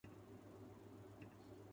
ہم نے نئے منصوبے پر کام شروع کر دیا ہے۔